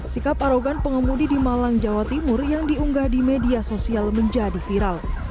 sikap arogan pengemudi di malang jawa timur yang diunggah di media sosial menjadi viral